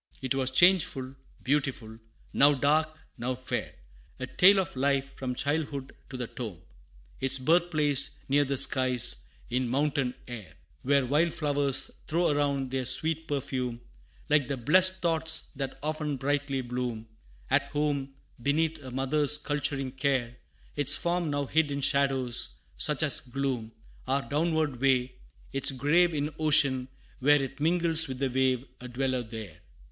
'Twas changeful beautiful; now dark, now fair A tale of life, from childhood to the tomb Its birth place near the skies, in mountain air, Where wild flowers throw around their sweet perfume, Like the blest thoughts that often brightly bloom, At home, beneath a mother's culturing care Its form now hid in shadows, such as gloom Our downward way its grave in ocean, where It mingles with the wave a dweller there!